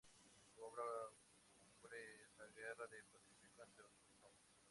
Su obra cumbre es la "Guerra del Pacífico", en tres tomos.